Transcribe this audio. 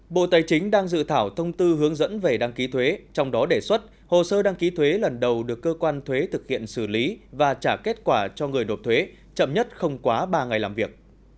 bộ tài chính đang dự thảo thông tư hướng dẫn về đăng ký thuế trong đó đề xuất hồ sơ đăng ký thuế lần đầu được cơ quan thuế thực hiện xử lý và trả kết quả cho người nộp thuế chậm nhất không quá ba ngày làm việc